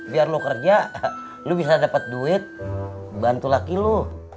biar lo kerja lo bisa dapat duit bantu lagi lo